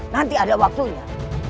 biar ada waktunya